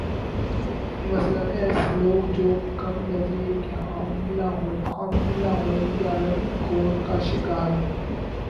مثلا ایس لوگ جو کم نظریہ کے حاملہ ہوں یا رنگ کور کا شکار ہوں